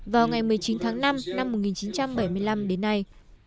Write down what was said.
vào ngày một mươi chín tháng năm năm một nghìn chín trăm bảy mươi năm đến nay